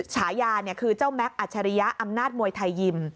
ฉายาคือเจ้าแม็กซอัชริยะอำนาจมวยไทยยิม